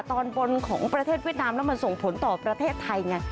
ตอนบนของประเทศเวียดนามแล้วมันส่งผลต่อประเทศไทยไง